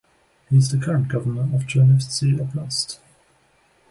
He is the current Governor of Chernivtsi Oblast.